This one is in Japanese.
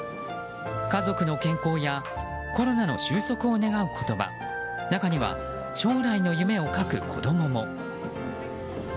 家族の健康やコロナの収束を願う言葉中には将来の夢を書く子供も。